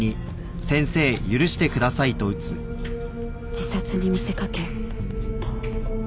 自殺に見せかけ。